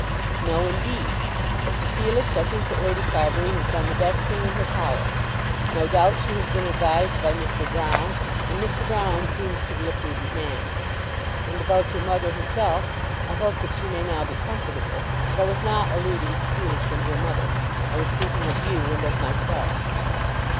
"No, indeed. As to Felix I think that Lady Carbury has done the best thing in her power. No doubt she has been advised by Mr. Broune, and Mr. Broune seems to be a prudent man. And about your mother herself, I hope that she may now be comfortable. But I was not alluding to Felix and your mother. I was thinking of you and of myself."